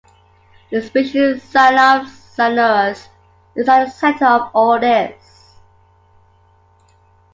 The species "Cynops cyanurus" is at the centre of all this.